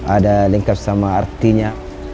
ada lengkap sama artinya